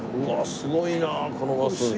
すごいなこのバス。